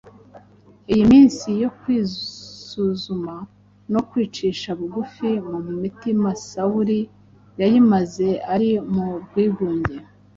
Iyi minsi yo kwisuzuma no kwicisha bugufi mu umutima Sawuli yayimaze ari mu bwigunge.